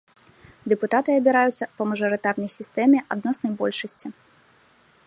Дэпутаты абіраюцца па мажарытарнай сістэме адноснай большасці.